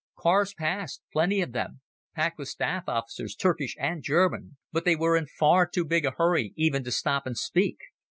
Cars passed, plenty of them, packed with staff officers, Turkish and German, but they were in far too big a hurry even to stop and speak.